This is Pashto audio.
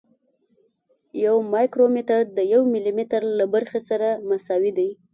یو مایکرومتر د یو ملي متر له برخې سره مساوي دی.